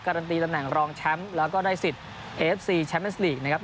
ันตีตำแหน่งรองแชมป์แล้วก็ได้สิทธิ์เอฟซีแชมป์เอสลีกนะครับ